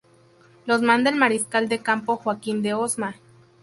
Los manda el mariscal de campo Joaquín de Osma.